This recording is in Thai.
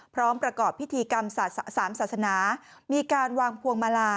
ประกอบพิธีกรรมสามศาสนามีการวางพวงมาลา